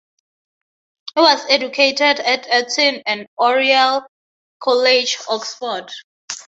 He was educated at Eton and Oriel College, Oxford.